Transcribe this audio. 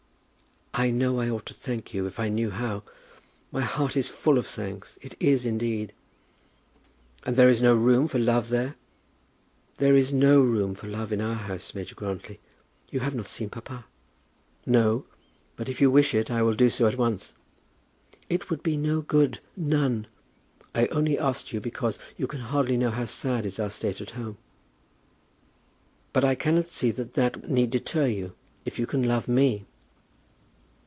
"I know I ought to thank you if I knew how. My heart is full of thanks; it is, indeed." "And is there no room for love there?" "There is no room for love in our house, Major Grantly. You have not seen papa." "No; but, if you wish it, I will do so at once." "It would do no good, none. I only asked you because you can hardly know how sad is our state at home." "But I cannot see that that need deter you, if you can love me."